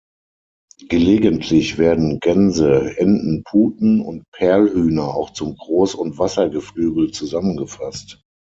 Gelegentlich werden Gänse, Enten, Puten und Perlhühner auch zum "Groß- und Wassergeflügel" zusammengefasst.